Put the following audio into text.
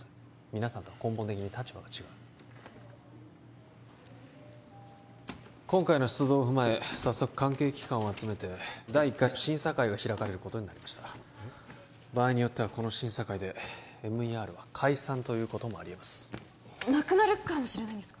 皆さんとは根本的に立場が違う今回の出動をふまえ早速関係機関を集めて第１回目審査会が開かれることになりました場合によってはこの審査会でＭＥＲは解散ということもありえますなくなるかもしれないんですか？